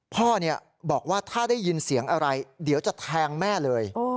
พ่อบอกว่าถ้าได้ยินเสียงอะไรเดี๋ยวจะแทงแม่เลย